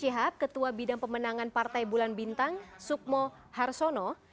itu datang dari mulut yusril